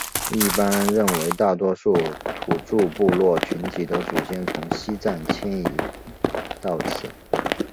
一般认为大多数土着部落群体的祖先从西藏迁移到此。